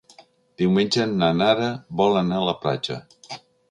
Diumenge na Nara vol anar a la platja.